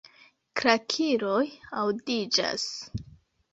Klakiloj aŭdiĝas.